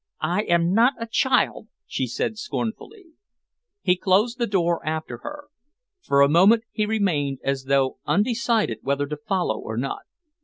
"I am not a child," she said scornfully. He closed the door after her. For a moment he remained as though undecided whether to follow or not.